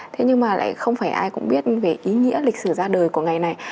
thế nhưng mà lại không phải ai cũng biết về ý nghĩa lịch sử ra đời của ngày này